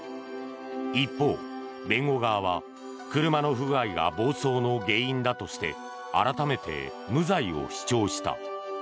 一方、弁護側は車の不具合が暴走の原因だとして改めて無罪を主張した。